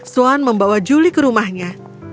swan membawa juli ke rumahnya